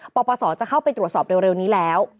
ปปศจะเข้าไปตรวจสอบเร็วนี้แล้ว